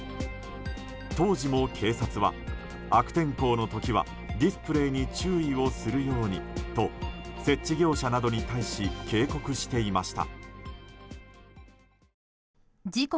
当時も警察は、悪天候の時はディスプレーに注意をするようにと設置業者などに対し警告していました。